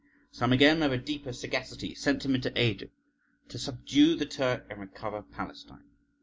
Some again, of a deeper sagacity, sent him into Asia to subdue the Turk and recover Palestine.